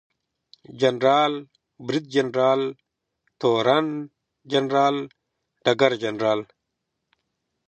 جنرال، بریدجنرال، تورن جنرال ، ډګرجنرال